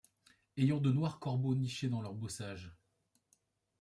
Ayant de noirs corbeaux nichés dans leurs bossages